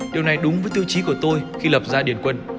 điều này đúng với tiêu chí của tôi khi lập ra điền quân